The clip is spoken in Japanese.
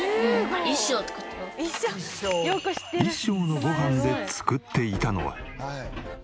１升のごはんで作っていたのは。